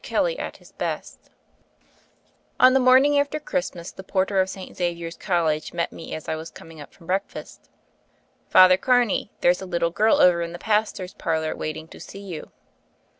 KELLY AT HIS BEST ON THE morning after Christmas the por ter of St. Xavier's College met me as I was coming up from breakfast. ''Father Carney, there's a little girl over in the pastor's parlor waiting to see you."